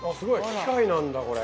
機械なんだこれ。